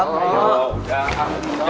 jangan galau galau gitu